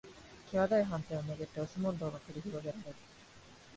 きわどい判定をめぐって押し問答が繰り広げられる